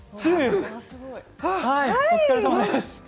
お疲れさまです。